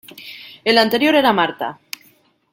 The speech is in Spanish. El anterior era Marta.